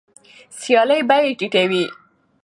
سیالي بیې ټیټوي.